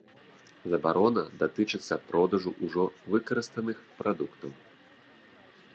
Забарона датычыцца продажу ўжо выкарыстаных прадуктаў.